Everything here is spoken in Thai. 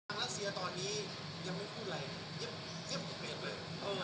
รัสเซียตอนนี้ยังไม่พูดอะไรเย็บเรียบเลย